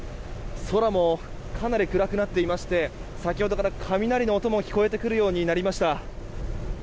空もかなり暗くなっていまして先ほどから雷の音も聞こえてくるようになりました。